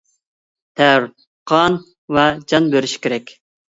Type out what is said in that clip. تەر، قان ۋە جان بېرىشى كېرەك.